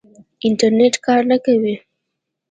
انټرنېټ کار کوي؟